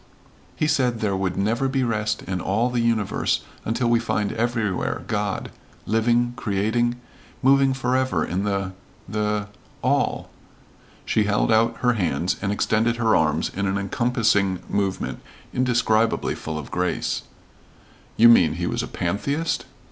"He said there would never be rest in all the universe until we find everywhere God, living creating moving forever in the the all." She held out her hands and extended her arms in an encompassing movement indescribably full of grace. "You mean he was a pantheist?"